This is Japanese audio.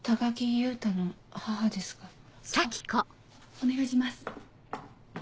お願いします。